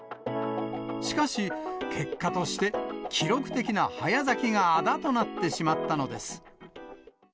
しかし、結果として記録的な早咲きがあだとなってしまったのです。